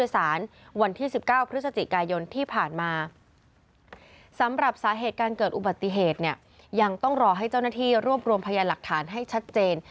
สำหรับสาเหตุการเกิดอุบัติเหตุเนี่ยยังต้องรอให้เจ้าหน้าที่รวบรวมพยานหลักฐานให้ชัดเจน